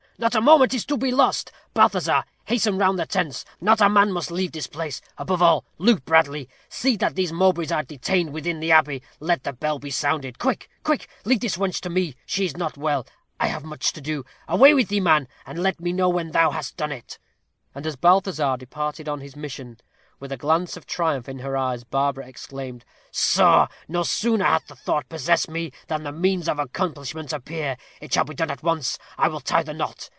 Not a moment is to be lost. Balthazar, hasten round the tents not a man must leave his place above all, Luke Bradley. See that these Mowbrays are detained within the abbey. Let the bell be sounded. Quick, quick; leave this wench to me; she is not well. I have much to do. Away with thee, man, and let me know when thou hast done it." And as Balthazar departed on his mission, with a glance of triumph in her eyes, Barbara exclaimed, "Soh, no sooner hath the thought possessed me, than the means of accomplishment appear. It shall be done at once. I will tie the knot.